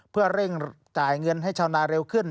เพื่อเร่งจ่ายเงินให้ชาวนาเร็วขึ้น